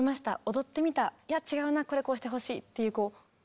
踊ってみたいや違うなこれこうしてほしいっていうこの繰り返しなんですか？